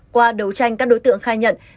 qua đấu tranh các đối tượng khai nhận